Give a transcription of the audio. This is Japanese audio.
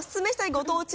ご当地